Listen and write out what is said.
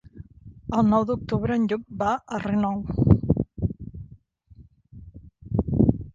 El nou d'octubre en Lluc va a Renau.